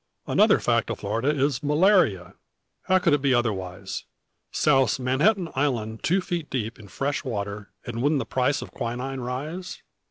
"Another fact of Florida is malaria. How could it be otherwise? Souse Manhattan Island two feet deep in fresh water, and wouldn't the price of quinine rise?